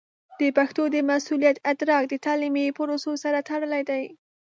د پښتو د مسوولیت ادراک د تعلیمي پروسو سره تړلی دی.